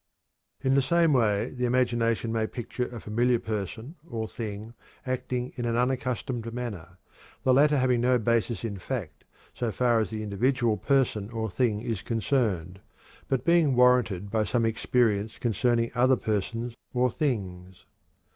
In the same way the imagination may picture a familiar person or thing acting in an unaccustomed manner, the latter having no basis in fact so far as the individual person or thing is concerned, but being warranted by some experience concerning other persons or things.